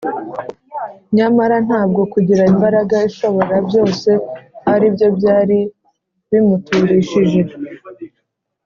nyamara ntabwo kugira imbaraga ishobora byose ari byo byari bimuturishije